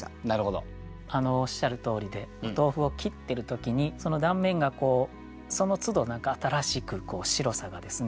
おっしゃるとおりでお豆腐を切ってる時にその断面がそのつど何か新しく白さがですね